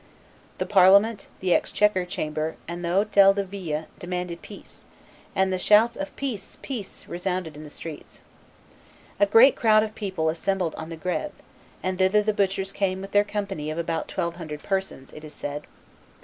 The parliament, the exchequer chamber, and the Hotel de Ville demanded peace; and the shouts of Peace! peace! resounded in the streets. A great crowd of people assembled on the Greve; and thither the butchers came with their company of about twelve hundred persons, it is said.